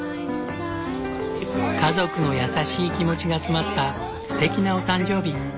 家族の優しい気持ちが詰まったすてきなお誕生日。